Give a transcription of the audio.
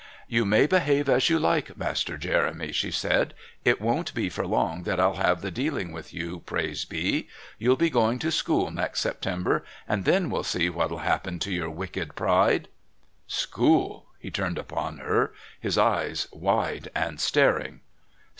"You may behave as you like, Master Jeremy," she said. "It won't be for long that I'll have the dealing with you, praise be. You'll be going to school next September, and then we'll see what'll happen to your wicked pride." "School!" he turned upon her, his eyes wide and staring.